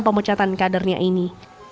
pemucatan kadernya ini